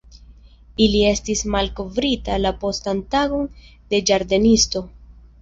Ili estis malkovritaj la postan tagon de ĝardenisto.